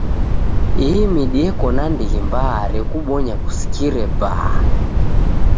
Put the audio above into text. Ihi midi eko na ndighi mbaa rekubonya kusikire baa.